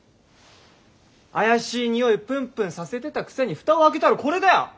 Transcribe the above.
怪しいにおいをプンプンさせてたくせに蓋を開けたらこれだよ。